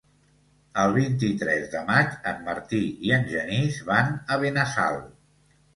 El vint-i-tres de maig en Martí i en Genís van a Benassal.